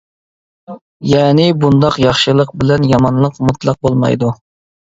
يەنى بۇنداق ياخشىلىق بىلەن يامانلىق مۇتلەق بولمايدۇ.